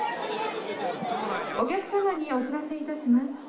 お客様にお知らせいたします。